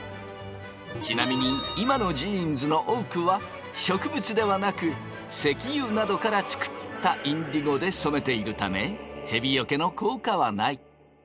ちなみに今のジーンズの多くは植物ではなく石油などから作ったインディゴで染めているためへびよけの効果はない。